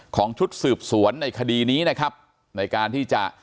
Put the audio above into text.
ชุดสืบสวนในคดีนี้นะครับในการที่จะ